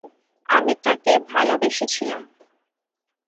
আমি তাকে ভালোবেসেছিলাম।